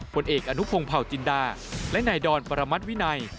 ผลเอกอนุพงศ์เผาจินดาและนายดอนประมัติวินัย